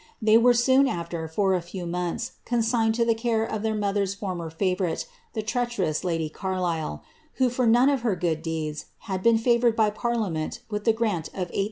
They were soon afler, for a few months, consigned to the care of their mother^s former faTourite, the treacherooa lady Carlisle, who, for none of her good deeds, had been faroured by parliaRient with a grant of 80002.